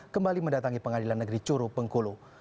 kembali mendatangi pengadilan negeri curu bengkulu